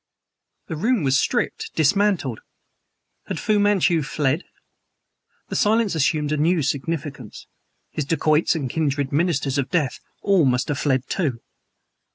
The room was stripped, dismantled. Had Fu Manchu fled? The silence assumed a new significance. His dacoits and kindred ministers of death all must have fled, too.